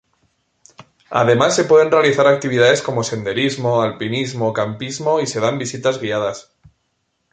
Además se pueden realizar actividades como senderismo, alpinismo, campismo y se dan visitas guiadas.